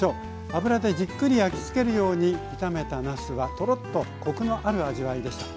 油でじっくり焼き付けるように炒めたなすはとろっとコクのある味わいでした。